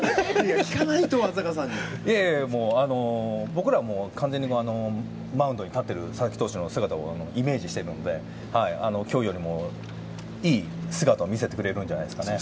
僕らは、完全にマウンドに立っている佐々木投手をイメージしているので今日よりもいい姿を見せてくれるんじゃないですか。